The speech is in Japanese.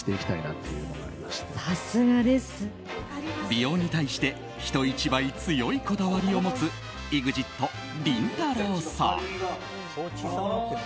美容に対して人一倍強いこだわりを持つＥＸＩＴりんたろー。